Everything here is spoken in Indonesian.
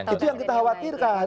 itu yang kita khawatirkan